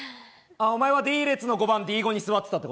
お前はＤ列の５番、Ｄ５に座ってたのね。